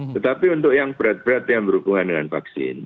tetapi untuk yang berat berat yang berhubungan dengan vaksin